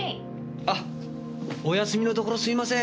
あお休みのところすいません。